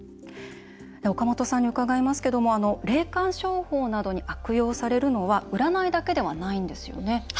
岡本さんにお伺いしますけど霊感商法などに悪用されるのは占いだけではないんですよね。